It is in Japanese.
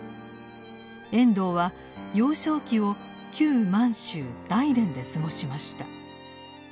遠藤は幼少期を旧満州・大連で過ごしました。